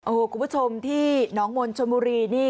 โอ้โหคุณผู้ชมที่น้องมนชนบุรีนี่